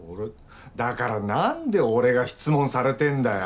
だからなんで俺が質問されてんだよ！